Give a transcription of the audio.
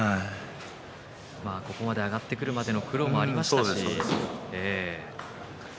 ここまで上がってくるまでの苦労もありましたし。